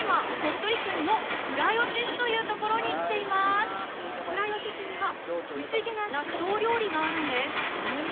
私は今倉吉市にはフシギな納豆料理があるんです。